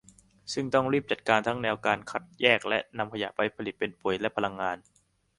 ซึ่งต้องรีบจัดการทั้งแนวทางการคัดแยก และ นำขยะไปผลิตเป็นปุ๋ยและพลังงาน